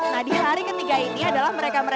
nah di hari ke tiga ini adalah mereka